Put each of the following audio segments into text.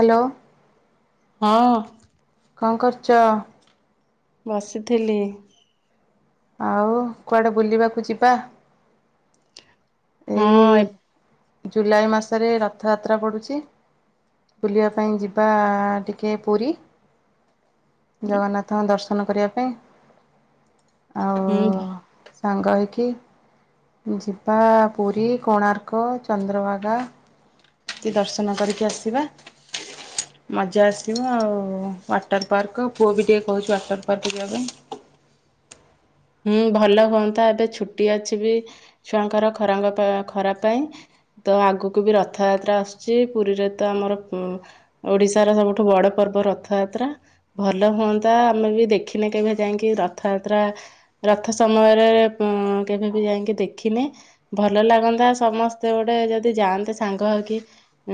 Hello ହଁ କଁ କରୁଚ? ବସିଥିଲି। ଆଉ କୁଆଡେ ବୁଲିବାକୁ ଯିବା? ହଁ ଏଇ ଏ ଜୁଲାଇ ମାସରେ ରଥଯାତ୍ରା ପଡ଼ୁଚି ବୁଲିବା ପାଇଁ ଯିବା ଟିକେ ପୁରୀ। ଜଗନ୍ନାଥଙ୍କ ଦର୍ଶନ କରିବା ପାଇଁ। ଆଉ ଏଇଠି ସାଙ୍ଗ ହେଇକି ଯିବା ପୁରୀ, କୋଣାର୍କ, ଚନ୍ଦ୍ରଭାଗା। କି ଦର୍ଶନ କରିକି ଆସିବା। ମଜା ଆସିବ ଆଉ ୱାଟର ପାର୍କ ପୁଅ ବି ଟିକେ କହିଚି ୱାଟର ପାର୍କ ଯିବା ପାଇଁ। ହୁଁ ଭଲ ହୁଅନ୍ତା ଏବେ ଛୁଟି ଅଛି ବି ଛୁଆଙ୍କର ଖରାଙ୍ଗ ପା ଖରା ପାଇଁ। ତ ଆଗକୁ ବି ରଥଯାତ୍ରା ଆସଚି ପୁରୀରେ ତ ଆମର ହୁଁ। ଓଡିଶାର ସବୁଠୁ ବଡ ପର୍ବ ରଥଯାତ୍ରା। ଭଲ ହୁଅନ୍ତା ଆମେ ବି ଦେଖିନେ କେବେ ଯାଇଙ୍କି ରଥଯାତ୍ରା। ରଥ ସମୟରେ ପୁଂ କେବେ ବି ଯାଇଙ୍କି ଦେଖିନେ। ଭଲ ଲାଗନ୍ତା ସମସ୍ତେ ଗୋଟେ ଯଦି ଯାଆନ୍ତେ ସାଙ୍ଗ ହେଇକି।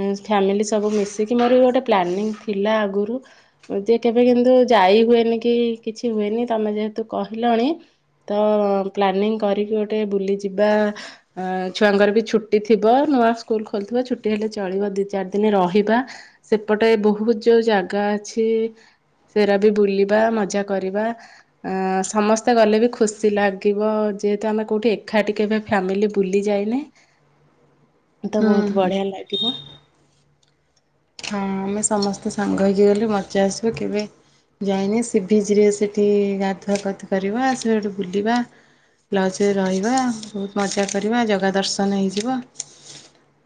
ଉଁ ଫ୍ୟାମିଲି ସବୁ ମିଶିକି ମୋରବି ଗୋଟେ ପ୍ଲାନିଂ ଥିଲା ଆଗରୁ। ଜେ କେବେ କିନ୍ତୁ ଯାଇ ହୁଏନି କି କିଛି ହୁଏନି ତମେ ଯେହେତୁ କହିଲଣି ତ ପ୍ଲାନିଂ କରିକି ଗୋଟେ ବୁଲିଯିବା। ଆଁ ଛୁଆଙ୍କର ବି ଛୁଟି ଥିବ। ନୂଆ ସ୍କୁଲ ଖୋଲୁଥିବ। ଛୁଟି ହେଲେ ଚଳିବ ଦୁଇ ଚାରି ଦିନ ରହିବା। ସେପଟେ ବହୁତ ଯୋଉ ଜାଗା ଅଛି। ସେରା ବି ବୁଲିବା ମଜା କରିବା। ଆ ସମସ୍ତେ ଗଲେ ବି ଖୁସି ଲାଗିବ ଯେହେତୁ ଆମେ କୋଉଠି ଏକାଠି କେବେ ଫ୍ୟାମିଲି ବୁଲି ଯାଇନେ। ତ ବହୁତ ହୁଁ ବଢିଆ ଲାଗିବ। ହଁ ଆମେ ସମସ୍ତେ ସାଙ୍ଗ ହୋଇଇକି ଗଲେ ମଜା ଆସିବ। କେବେ ଯାଇନେ ସି ବିଚରେ ସେଠି ଗାଧୁଆ କତ କରିବା। ସେଡୁ ବୁଲିବା। ଲଞ୍ଚ ରେ ରହିବା, ବହୁତ ମଜାକରିବା, ଜଗା ଦର୍ଶନ ହେଇଯିବ।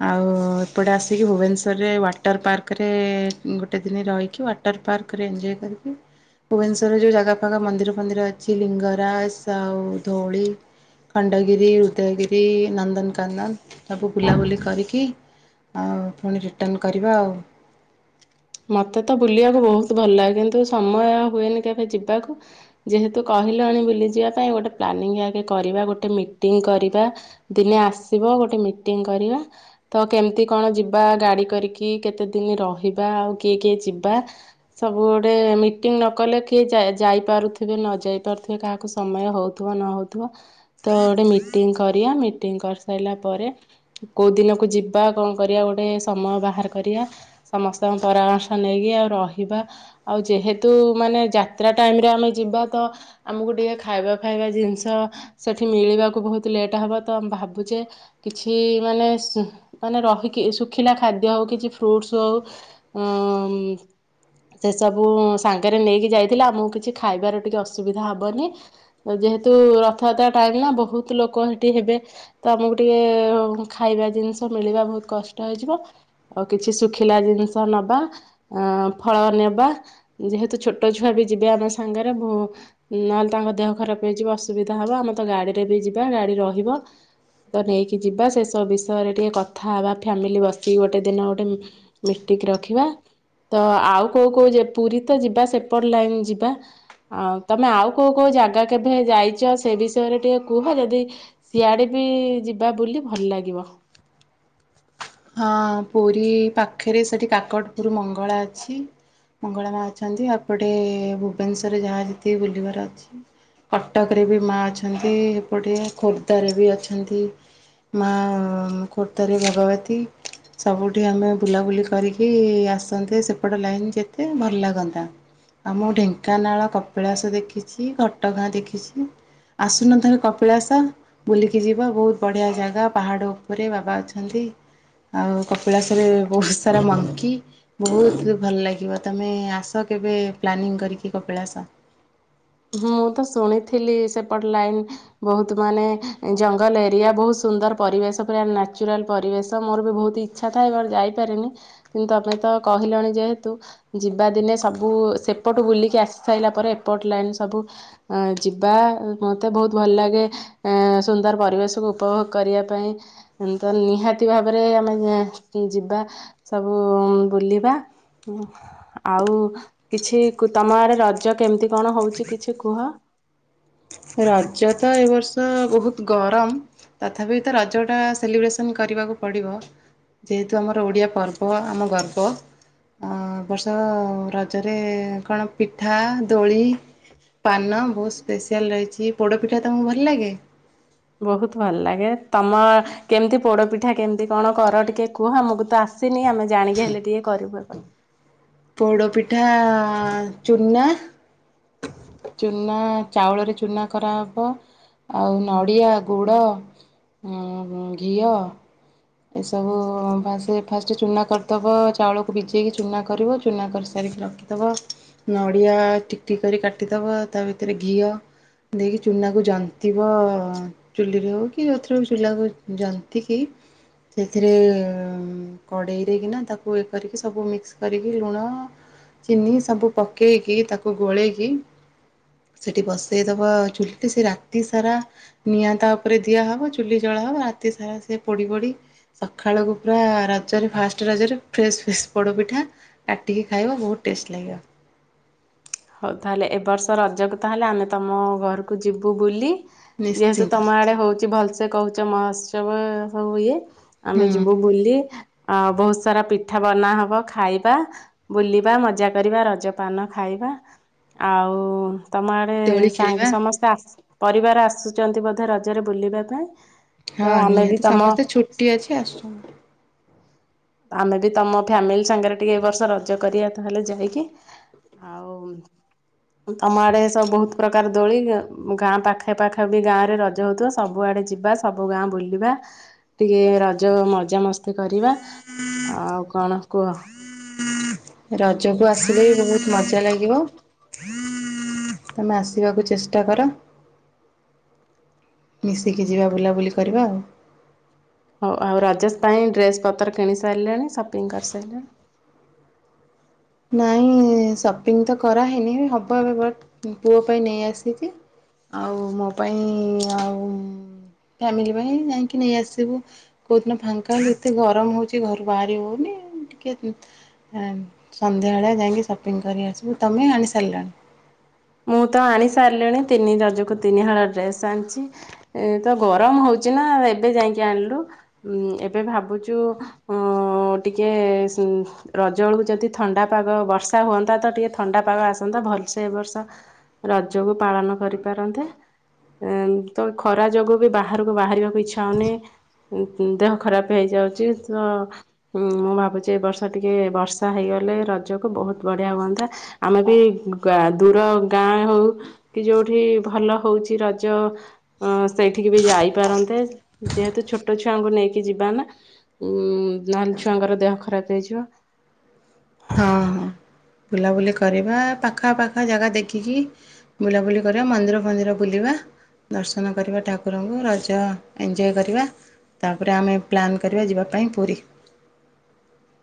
ଆଉ ଏପଟେ ଆସିକି ଭୁବନେଶ୍ୱରେ ୱାଟ ୱାଟର ପାର୍କରେ ଗୋଟେ ଦିନ ରହିକି ୱାଟର୍ ପାର୍କରେ ଇଞ୍ଜୟ କରିକି। ଭୁବନେଶ୍ଵରରେ ଯୋଉ ଜାଗା ଫାଗା ମନ୍ଦିର ଫନ୍ଦିର ଅଛି। ଲିଙ୍ଗରାଜ, ଆଉ ଧୋଳି, ଖଣ୍ଡଗିରି, ଉଦୟଗିରି, ନନ୍ଦନକାନନ ସବୁ ବୁଲାବୁଲି କରିକି। ଆଉ ପୁଣି ରିଟର୍ଣ୍ଣ କରିବା ଆଉ। ମତେ ତ ବୁଲିବାକୁ ବହୁତ ଭଲ ଲାଗେ। କିନ୍ତୁ ସମୟ ହୁଏନି କେବେ ଯିବାକୁ। ଯେହେତୁ କହିଲଣି ବୁଲିଯିବା ପାଇଁ ଗୋଟେ ପ୍ଲାନିଙ୍ଗ ଆଗେ କରିବା। ଗୋଟେ ମିଟିଂ କରିବା। ଦିନେ ଆସିବ ଗୋଟେ ମିଟିଂ କରିବା ତ କେମିତି କଣ ଯିବା ଗାଡି କରିକି କେତେ ଦିନ ରହିବା ଆଉ କିଏ କିଏ ଯିବା ସବୁଆଡ଼େ ମିଟିଂ ନ କଲେ କିଏ ଯାଇପାରୁଥିବେ ନଯାଇପାରୁଥିବେ କାହାକୁ ସମୟ ହଉଥିବା ନ ହଉଥିବା। ତ ଗୋଟେ ମିଟିଂ କରିବା ମିଟିଂ କରିସାରିଲା ପରେ କୋଉ ଦିନକୁ ଯିବା କଣ କରିବା ଗୋଟେ ସମୟ ବାହାର କରିବା ସମସ୍ତ ତାଙ୍କ ପରାମର୍ଶ ନେଇକି ଆଉ ରହିବା ଆଉ ଯେହେତୁ ମାନେ ଯାତ୍ରା ଟାଇମରେ ଆମେ ଯିବା ତ ଆମକୁ ଟିକେ ଖାଇବା ଫାଇବା ଜିନିଷ ସେଠି ମିଳିବାକୁ ବହୁତ ଲେଟ୍ ହବ ତ ଆମେ ଭାବୁଛେ କିଛି ମାନେ ମାନେ ରହିକି ଶୁଖିଲା ଖାଦ୍ୟ ହଉ କିଛି ଫ୍ରୁଟସ୍ ହଉ ଅଁ ମୁ ସେ ସବୁ ସାଙ୍ଗରେ ନେଇକି ଯାଇଥିଲେ ଆମକୁ କିଛି ଖାଇବାର ଟିକେ ଅସୁବିଧା ହବନି। ଯେହେତୁ ରଥଯାତ୍ରା ଟାଇମନା ବହୁତ ଲୋକ ହେଠି ହେବେ। ତ ଆମକୁ ଟିକେ ଖାଇବା ଜିନିଷ ମିଳିବା ବହୁତ କଷ୍ଟ ହେଇଯିବ। ଆଉ କିଛି ଶୁଖିଲା ଜିନିଷ ନବା ଆ ଫଳ ନେବା। ଯେହେତୁ ଛୋଟ ଛୁଆ ବି ଯିବେ ଆମ ସାଙ୍ଗରେ ନହେଲେ ତାଙ୍କ ଦେହ ଖରାପ ହେଇଯିବ ଅସୁବିଧା ହବ ଆମେ ତ ଗାଡିରେ ବି ଯିବା ଗାଡି ରହିବ। ତ ନେଇକି ଯିବା ସେସବୁ ବିଷୟରେ ଟିକେ କଥା ହେବା ଫ୍ୟାମିଲି ବସିକି ଗୋଟେ ଦିନ ଗୋଟେ ଟିକେ ରଖିବା ତ ଆଉ କୋଉ କୋଉ ଯେ ପୁରୀ ତ ଯିବା ସେପଟ ଲାଇନ ଯିବା ଆଉ ତମେ ଆଉ କୋଉ କୋଉ ଯାଗା କେବେ ଯାଇଛ ସେ ବିଷୟରେ ଟିକେ କୁହ ଯଦି ସିଆଡ଼େ ବି ଯିବା ବୁଲି ଭଲ ଲାଗିବ। ହଁ ପୁରୀ ପାଖରେ ସେଠି କାକଟପୁର ମଙ୍ଗଳା ଅଛି। ମଙ୍ଗଳା ମା ଅଛନ୍ତି ଆପଟେ ଭୁବନେଶ୍ୱରରେ ଯାହା ଯେତିକି ବୁଲିବାର ଅଛି। କଟକରେ ବି ମାଆ ଅଛନ୍ତି ଏପଟେ ଖୋର୍ଦ୍ଧାରେ ବି ଅଛନ୍ତି। ମା ଖୋର୍ଦ୍ଧାରେ ଭଗବତୀ। ସବୁଠି ଆମେ ବୁଲାବୁଲି କରିକି ଆସନ୍ତେ ସେପଟ ଲାଇନ୍ ଯେତେ ଭଲ ଲାଗନ୍ତା। ଆମ ଢେଙ୍କାନାଳ କପିଳାସ ଦେଖିଛି ଘଟଗାଁ ଦେଖିଛି। ଆସୁନଥରେ କପିଳାସ। ବୁଲିକି ଯିବା ବହୁତ ବଢ଼ିଆ ଜାଗା ପାହାଡ଼ ଉପରେ ବାବା ଅଛନ୍ତି। ଆଉ କପିଳାସରେ ବହୁତ ସାରା ମଙ୍କି। ବହୁତ ଭଲ ଲାଗିବ ତମେ ଆସ କେବେ ପ୍ଲାନିଂ କରିକି କପିଳାସ। ହଁ ମୁଁ ତ ଶୁଣିଥିଲି ସେପଟ ଲାଇନ ବହୁତ ମାନେ ଜଙ୍ଗଲ ଏରିଆ ବହୁତ ସୁନ୍ଦର ପରିବେଶ ପୁରା ନାଚୁରାଲ ପରିବେଶ ମୋର ବି ବହୁତ ଇ ଇଚ୍ଛା ଥାଏ ଯାଇପାରେନି କିନ୍ତୁ ତମେତ କହିଲଣି ଯେହେତୁ ଯିବା ଦିନେ ସବୁ ସେପଟ ବୁଲିକି ଆସି ସାରିଲା ପରେ ଏପଟ ଲାଇନ୍ ସବୁ ଅ ଯିବା ମତେ ବହୁତ ଭଲ ଲାଗେ ଏ ସୁନ୍ଦର ପରିବେଶକୁ ଉପଭୋଗ କରିବା ପାଇଁ।। ତ ନିହାତି ଭାବରେ ଆମେ ଯିବା। ସବୁ ବୁଲିବା ଆଉ କିଛି ତମ ଆଡେ ରଜ କେମିତି କଣ ହଉଛି କିଛି କୁହ? ରଜ ତ ଏ ବର୍ଷ ବହୁତ ଗରମ। ତଥାପି ତ ରଜଟା ସେଲିବ୍ରେସନ୍ କରିବାକୁ ପଡ଼ିବ। ଯେହେତୁ ଆମର ଓଡିଆ ପର୍ବ ଆମ ଗର୍ବ। ଆ ଏବର୍ଷ ରଜରେ କଣ ପିଠା ଦୋଳି ପାନ ବହୁତ ସ୍ପେଶିଆଲ ରହିଛି ପୋଡପିଠା ତମକୁ ଭଲ ଲାଗେ? ବୋହୁତ୍ ଭଲ୍ ଲାଗେ ତମ କେମତି ପୋଡପିଠା କେନତି କଣ କର ଟିକେ କୁହ? ଆମୁକୁ ତ ଆସିନି ଆମେ ଜାଣିକି ହେଲେ ଟିକେ କରିବୁ ଆଉ କଣ। ପୋଡ଼ପିଠା ଆ ଆ ଚୁନା ଚୁନା ଚାଉଳରେ ଚୁନା କରାହବ। ଆଉ ନଡ଼ିଆ ଗୁଡ ଉଁ ଉଁ ଘିଅ। ଏସବୁ ଫାସେ ଫାଷ୍ଟ ଚୁନା କରିଦବ ଚାଉଳକୁ ଭିଜେଇକି ଚୁନା କରିବ ଚୁନା କରିସାରିକି ରଖି ଦବ ନଡିଆ ଟିକ୍ ଟିକ୍ କରି କାଟିଦବ ତା ଭିତେରେ ଘିଅ ଦେଇକି ଚୁନାକୁ ଜନ୍ତିବ ଅ ଚୁଲିରେ ହଉ କି ଯୋଉଥିରେ ହଉ ଚୁଲାକୁ ଜନ୍ତିକିି ସେଥିରେ ଏଁ ଉମ କଡ଼େଇରେ କିନା ତାକୁ ଏ କରିକି ସବୁ ମିକ୍ସ କରିକି ଲୁଣ ଚିନି ସବୁ ପକେଇକି ତାକୁ ଗୋଳେଇକି ସେଇଠି ବସେଇଦବ ଚୁଲିରେ ସେ ରାତି ସାରା ନିଆଁ ତା ଓପେରେ ଦିଆହବ ଚୁଲି ଜଳାହବ ରାତି ସାରା ସେ ପୋଡ଼ି ପୋଡ଼ି ସଖାଳକୁ ପୁରା ରଜରେ ଫାଷ୍ଟ ରଜରେ ଫ୍ରେଶ୍ ଫ୍ରେଶ ପୋଡ଼ପିଠା କାଟିକି ଖାଇବ ବହୁତ୍ ଟେଷ୍ଟ ଲାଗିବ। ହଉ ତାହେଲେ, ଏ ବର୍ଷ ରଜକୁ ତାହେଲେ ଆମେ ତମ ଘରୁକୁ ଯିବୁ ବୁଲି। ଯେହେତୁ ନିଶ୍ଚିନ୍ତ ତମ ଆଡେ ହଉଛି ଭଲସେ କହୁଛ, ମହୋତ୍ସବ ସବୁ ଇଏ ହୁଁ ଆମେ ଯିବୁ ବୁଲି ଆ ବହୁତ୍ ସାରା ପିଠା ବନା ହବ ଖାଇବା। ବୁଲିବା ମଜା କରିବା ରଜପାନ ଖାଇବା। ଆଉ ତମ ଆଡେ ଦୋଳି ଖେଳିବା ସାଙ୍ଗ୍ ସମସ୍ତେ ଆସ ପରିବାର ଆସୁଚନ୍ତି ବୋଧେ ରଜରେ ବୁଲିବା ପାଇଁ ହଁ ତ ଆମେ ବି ନିହାତି ତମ [unintelligible] ଆମେ ବି ତମ ଫ୍ୟାମିଲି ସାଙ୍ଗେରେ ଟିକେ ଏ ବର୍ଷ ରଜ କରିଆ ତାହେଲେ ଯାଇକି। ଆଉ ତମ ଆଡେ ଏ ସବୁ ବହୁତ୍ ପ୍ରକାର ଦୋଳି ଗାଁ ପାଖେ ପାଖା ବି ଗାଁରେ ରଜ ହଉଥୁବ ସବୁଆଡେ ଯିବା ସବୁ ଗାଁ ବୁଲିବା। ଟିକେ ରଜ ମଜା ମସ୍ତି କରିବା। ଆଉ କଣ କୁହ? ରଜକୁ ଆସିଲେ ବି ବହୁତ୍ ମଜା ଲାଗିବ। ତମେ ଆସିବାକୁ ଚେଷ୍ଟା କର। ମିଶିକି ଯିବା ବୁଲାବୁଲି କରିବା ଆଉ। ହଉ ଆଉ ରାଜେଶ୍ ପାଇଁ ଡ୍ରେସ୍ ପତ୍ର କିଣି ସାରିଲେଣି ସପିଙ୍ଗ୍ କରିସାରିଲେଣି। ନାଇଁ ସପିଙ୍ଗ ତ କରାହେଇନି ହବ ଏବେ ବଟ୍ ପୁଅ ପାଇଁ ନେଇ ଆସିଛି। ଆଉ ମୋ ପାଇଁ ଆଉ ଫ୍ୟାମିଲି ପାଇଁ ଯାଇଁକି ନେଇ ଆସିବୁ। କୋଉଦିନ ଫାଙ୍କା ଯେତେ ଗରମ ହୋଉଛି ଘରୁ ବାହାରି ହଉନି। ଟିକେ ଆଁ ସନ୍ଧ୍ୟାବେଳେ ଯାଇଁକି ସପିଙ୍ଗ୍ କରି ଆସିବୁ ତମେ ଆଣି ସାରିଲଣି। ମୁଁ ତ ଆଣି ସାରଲିଣି ତିନି ରଜକୁ ତିନି ହଳ ଡ୍ରେସ୍ ଆନଚି। ଏ ତ ଗରମ ହଉଚି ନା ଏବେ ଯାଇକି ଆଣିଲୁ। ଉଁ ଏବେ ଭାବୁଛୁ ଉଁ ଉଁ ଟିକେ ସୁନ୍ ରଜବେଳୁକୁ ଯଦି ଥଣ୍ଡା ପାଗ ବର୍ଷା ହୁଅନ୍ତା, ତ ଟିକିଏ ଥଣ୍ଡା ପାଗ ଆସନ୍ତା ଭଲସେ ଏ ବର୍ଷ ରଜକୁ ପାଳନ କରିପାରନ୍ତେ। ଏଁ ତ ଖରା ଯୋଗୁ ବି ବାହାରକୁ ବାହାରିବାକୁ ଇଚ୍ଛା ହଉନି। ଦେହ ଖରାପ୍ ହେଇଯାଉଚି ତ ମୁଁ ଭାବୁଛି ଏ ବର୍ଷ ଟିକିେ ବର୍ଷା ହେଇଗଲେ ରଜକୁ ବହୁତ୍ ବଢ଼ିଆ ହୁଅନ୍ତା। ଆମେ ବି ଗ ଗାଁ ଦୂର। ଗାଁ ହେଉ କି ଯେଉଁଠି ଭଲ ହଉଛି ରଜ ଅ ସେଇଠିକି ବି ଯାଇପାରନ୍ତେ ଯେହେତୁ ଛୋଟ ଛୁଆଙ୍କୁ ନେଇକି ଯିବାନା ନହେଲେ ଛୁଆଙ୍କର ଦେହ ଖରାପ ହେଇଯିବ। ହଁ ହଁ ବୁଲାବୁଲି କରିବା ପାଖାପାଖା ଜାଗା ଦେଖିକି। ବୁଲାବୁଲି କରିବା ମନ୍ଦିର ଫନ୍ଦିର ବୁଲିବା। ଦର୍ଶନ କରିବା ଠାକୁରଙ୍କୁ ରଜ ଏଞ୍ଜୟ କରିବା। ତାପରେ ଆମେ ପ୍ଲାନ୍ କରିବା ଯିବା ପାଇଁ ପୁରୀ।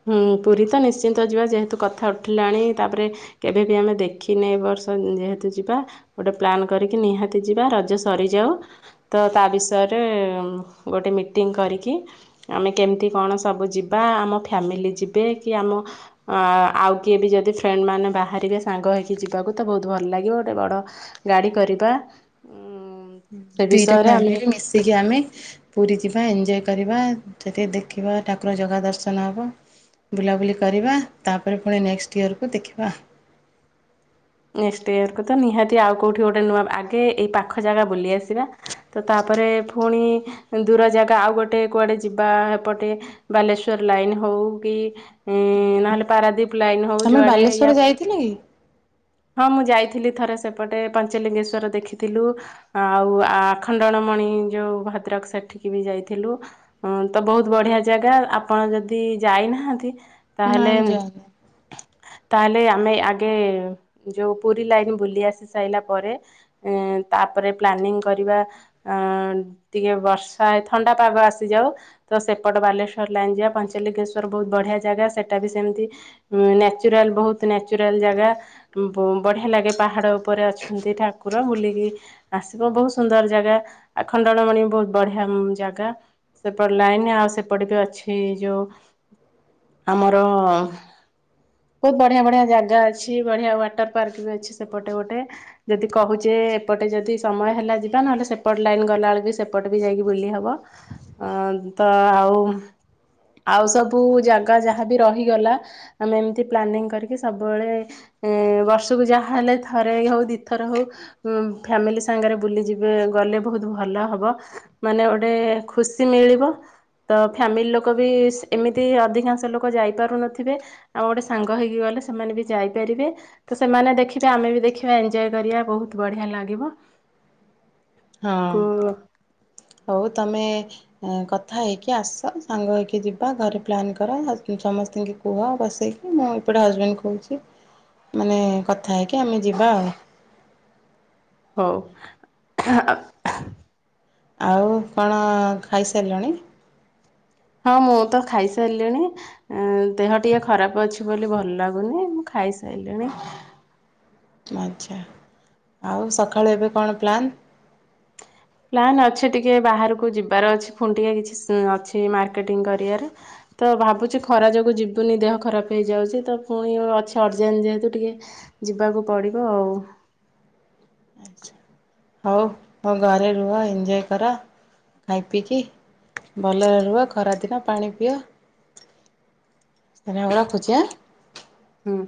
ହଁ ପୁରୀ ତ ନିଶ୍ଚିନ୍ତ ଯିବା ଯେହେତୁ କଥା ଉଠିଲାଣି ତାପରେ କେବେବି ଆମେ ଦେଖିନେ ବର୍ଷ ଯେହେତୁ ଯିବା। ଗୋଟେ ପ୍ଲାନ୍ କରିକି ନିହାତି ଯିବା ରଜ ସରିଯାଉ। ତ ତା ବିଷୟରେ ଗୋଟେ ମିଟିଂ କରିକି ଆମେ କେମିତି କଣ ସବୁ ଯିବା ଆମ ଫ୍ୟାମିଲି ଯିବେ କି ଆମ ଆଉ କିଏ ବି ଯଦି ଫ୍ରେଣ୍ଡମାନୋ ବାହାରିବେ ସାଙ୍ଗ ହୋଇକି ଯିବାକୁ ତ ବହୁତ ଭଲ ଲାଗିବ ଗୋଟେ ବଡ଼ ଗାଡି କରିବା। ସେ ଦିଟା ବିଷୟରେ ଆମେ ଫ୍ୟାମିଲି ମିଶିକି ଆମେ ପୁରୀ ଯିବା ଏଞ୍ଜୟ କରିବା ଯଦି ଦେଖିବା ଠାକୁର ଜାଗା ଦର୍ଶନ ହବ। ବୁଲାବୁଲି କରିବା ତାପରେ ପୁଣି ନେକ୍ସଟ୍ ଇୟରକୁ ଦେଖିବା। ନେକ୍ସଟ ଇୟରକୁୁ ତ ନିହାତି ଆଉ କେଉଠି ଗୋଟେ ନୂଆ ଆଗେ ଏଇ ପାଖ ଜାଗା ବୁଲି ଆସିବା। ତ ତାପରେ ପୁଣି ଦୂର ଜାଗା ଆଉ ଗୋଟେ କୁଆଡ଼େ ଯିବା ଏପଟେ ବାଲେଶ୍ଵର ଲାଇନ ହଉ କି ନହେଲେ ପାରାଦୀପ ଲାଇନ ହଉ ଯୋଆଡେ ୟା ଥିଲା କି। ହଁ ମୁଁ ଯାଇଥିଲି ଥରେ ସେପଟେ ପଞ୍ଚଲିଙ୍ଗେଶ୍ଵର ଦେଖିଥିଲୁ। ଆଉ ଆଖଣ୍ଡଣମଣି ଯେଉଁ ଭଦ୍ରକ ସେଠିକି ବି ଯାଇଥିଲୁ। ହଁ ତ ବହୁତ ବଢିଆ ଜାଗା ଆପଣ ଯଦି ଯାଇନାହାନ୍ତି ନାଇଁ ତାହେଲେ ମୁଁ ଯାଇନି। ତାହେଲେ ଆମେ ଆଗେ ଯୋଉ ପୁରୀ ଲାଇନ ବୁଲି ଆସି ସାରିଲା ପରେ ତାପରେ ପ୍ଲାନିଙ୍ଗ କରିବା ଅ ଟିକେ ବର୍ଷା ଥଣ୍ଡା ପାଗ ଆସିଯାଉ ତ ସେପଟ ବାଲେଶ୍ୱର ଲାଇନ୍ ଯିବା ପଞ୍ଚାଲିଙ୍ଗେଶ୍ଵର ବହୁତ ବଢିଆ ଜାଗା ସେଟା ବି ସେମିତି। ଉଁ ନ୍ୟାଚୁରାଲ ବହୁତ ନ୍ୟାଚୁରାଲ ଜାଗା ବଢ଼ିଆ ଲାଗେ ପାହାଡ଼ ଉପରେ ଅଛନ୍ତି ଠାକୁର ବୁଲିକି ଆସିବ ବହୁତ ସୁନ୍ଦର ଜାଗା ଆଉ ଖଣ୍ଡଳମଣି ବହୁତ ବଢିଆ ଜାଗା। ସେପଟ ଲାଇନ ଆଉ ସେପଟ ବି ଅଛି ଯୋଉ ଆମର ବହୁତ ବଢିଆ ବଢିଆ ଜାଗା ଅଛି। ବଢିଆ ୱାଟର ପାର୍କ ବି ଅଛି ସେପଟେ ଗୋଟେ। ଯଦି କହୁଛେ ଏପଟେ ଯଦି ସମୟ ହେଲା ଯିବା ନହେଲେ ସେପଟ ଲାଇନ୍ ଗଲାବେଳେକୁ ବି ସେପଟେ ବି ଯାଇକି ବୁଲି ହବ। ଅ ତ ଆଉ ଆଉ ସବୁ ଜାଗା ଯାହାବି ରହିଗଲା। ଆମେ ଏମିତି ପ୍ଲାନିଂ କରିକି ସବୁବେଳେ ଏ ବର୍ଷକୁ ଯାହା ହେଲେ ଥରେ ହେଉ ଦୁଇ ଥର ହେଉ। ଉ ଫ୍ୟାମିଲି ସାଙ୍ଗରେ ବୁଲିଯିବେ ଗଲେ ବହୁତ ଭଲ ହବ। ମାନେ ଗୋଟେ ଖୁସି ମିଳିବ। ତ ଫ୍ୟାମିଲି ଲୋକ ବି ଏମିତି ଅଧିକାଂଶ ଲୋକ ଯାଇପାରୁନଥିବେ। ଆଉ ଗୋଟେ ସାଙ୍ଗ ହେଇକି ଗଲେ ସେମାନେ ବି ଯାଇପାରିବେ। ତ ସେମାନେ ଦେଖିବେ ଆମେ ବି ଦେଖିବାଏଞ୍ଜୟ କରିବା ବହୁତ ବଢିଆ ଲାଗିବ। ହଁ କୁ ହଉ ତମେ କଥା ହେଇକି ଆସ ସାଙ୍ଗ ହେଇକି ଯିବା ଘରେ ପ୍ଲାନ୍ କର ସମସ୍ତଙ୍କୁ କୁହ ବସେଇକି ମୁଁ ଏପଟେ ହଜବେଣ୍ଡ କହୁଛି ମାନେ କଥା ହେଇକି ଆମେ ଯିବା ଆଉ ହଉ ଆଉ କଣ ଖାଇ ସାରିଲଣି? ଆଉ ମୁଁ ତ ଖାଇସାରିଲିଣି। ଦେହ ଟିକେ ଖରାପ ଅଛି ବୋଲି ଭଲ ଲାଗୁନି ମୁଁ ଖାଇସାରିଲିଣି। ଆଛା ଆଉ ସକାଳୁ ଏବେ କଣ ପ୍ଲାନ୍? ପ୍ଲନ୍ ଅଛି ଟିକେ ବାହାରକୁ ଯିବାର ଅଛି ଫୁଣି ଟିକେ କିଛି ସ୍ ଅଛି ମାର୍କେଟିଂ କରିବାର। ତ ଭାବୁଛି ଖରା ଯୋଗୁଁ ଯିବୁନି ଦେହ ଖରାପ ହେଇଯାଉଛି ତ ପୁଣି ଅଛି ଅର୍ଜେଣ୍ଟ ଯେହେତୁ ଟିକେ। ଯିବାକୁ ପଡିବ ଆଉ ହଉ ହଉ ଘରେ ରୁହ ଏନ୍ଜୟ କର। ଖାଇ ପିଇକି ଭଲରେ ରୁହ ଖରାଦିନ ପାଣି ପିଅ ତ ଆଉ ରଖୁଛି ଆଁ ହୁଁ